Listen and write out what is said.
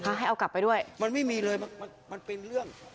ให้เอากลับไปด้วยมันไม่มีเลยมันมันเป็นเรื่อง